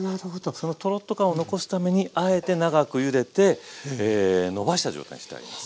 そのトロッと感を残すためにあえて長くゆでてのばした状態にしてあります。